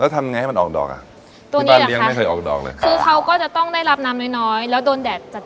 แล้วทำไงให้มันออกดอกอ่ะตัวนี้แหละค่ะคือเขาก็จะต้องได้รับน้ำน้อยแล้วโดนแดดจัด